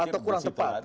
atau kurang tepat